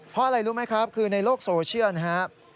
เพราะอะไรรู้ไหมครับคือในโลกโซเชียลนะครับ